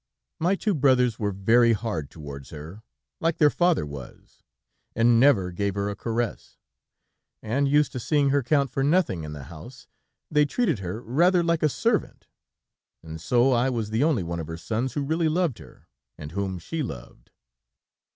"My two brothers were very hard towards her, like their father was, and never gave her a caress, and, used to seeing her count for nothing in the house, they treated her rather like a servant, and so I was the only one of her sons who really loved her, and whom she loved.